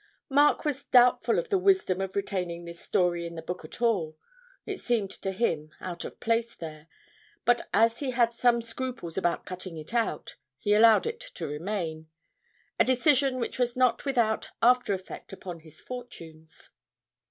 Mark was doubtful of the wisdom of retaining this story in the book at all it seemed to him out of place there but as he had some scruples about cutting it out, he allowed it to remain, a decision which was not without after effect upon his fortunes.